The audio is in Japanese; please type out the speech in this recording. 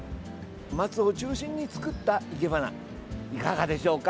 松を中心に作った生け花いかがでしょうか。